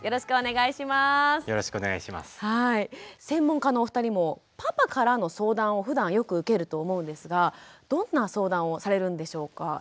専門家のお二人もパパからの相談をふだんよく受けると思うんですがどんな相談をされるんでしょうか？